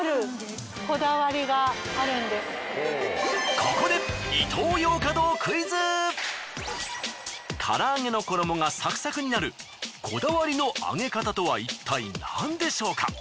ここで唐揚げの衣がサクサクになるこだわりの揚げ方とはいったい何でしょうか？